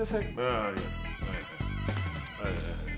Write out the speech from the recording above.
あありがとう。